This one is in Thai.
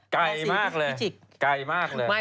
ปลาหมึกแท้เต่าทองอร่อยทั้งชนิดเส้นบดเต็มตัว